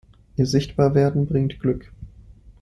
Ihr Sichtbarwerden bringt Glück.